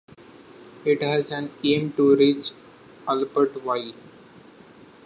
It has an aim to reach Albertville.